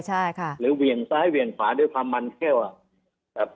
หรือเวียงซ้ายเวียงขวาด้วยความมันเข้า